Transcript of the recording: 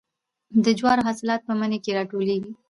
د جوارو حاصلات په مني کې راټولیږي.